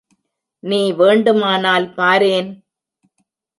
நீ வேண்டுமானால் பாரேன்!